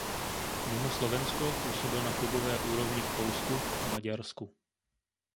Mimo Slovensko působil na klubové úrovni v Polsku a Maďarsku.